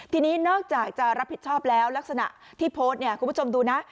ทีนี้นอกจากจะรับผิดชอบแล้วลักษณะที่โพสต์เนี่ยคุณผู้ชมดูนะ